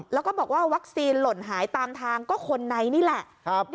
แล้วก็บอกว่าวัคซีนหล่นหายตามทางก็คนในนี่แหละ